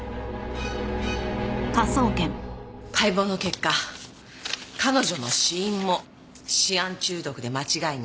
解剖の結果彼女の死因もシアン中毒で間違いない。